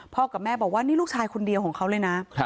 กับแม่บอกว่านี่ลูกชายคนเดียวของเขาเลยนะ